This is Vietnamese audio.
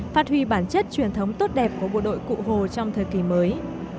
phát huy bản chất truyền thống tốt đẹp của bộ đội cụ hồ trong thời kỳ mới